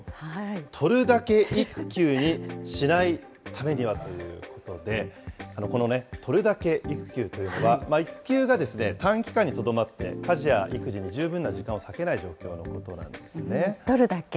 取るだけ育休にしないためには？ということで、この、取るだけ育休というのは、育休が短期間にとどまって、家事や育児に十分な時間を割けない状取るだけ。